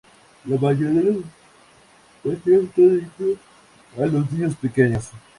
La mayoría de los paseos están dirigidos a los niños pequeños.